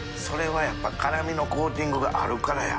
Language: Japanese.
修譴やっぱ辛みのコーティングがあるからや。